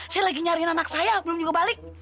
saya lagi nyariin anak saya belum juga balik